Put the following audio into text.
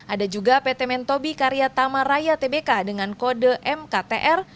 ada juga pt mentobi karya tamaraya tbk dengan kode mktr